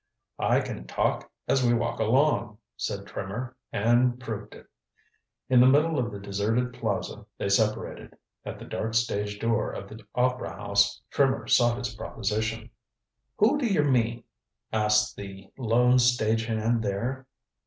"I can talk as we walk along," said Trimmer, and proved it. In the middle of the deserted plaza they separated. At the dark stage door of the opera house Trimmer sought his proposition. "Who d'yer mean?" asked the lone stage hand there.